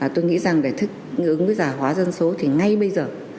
tôi nghĩ rằng để thích ứng với giả hóa dân số thì ngay bây giờ